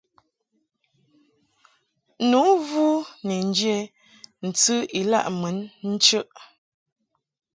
Nu vu ni nje ntɨ ilaʼ mun chəʼ.